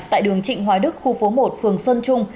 tại đường trịnh hoài đức khu phố một phường xuân trung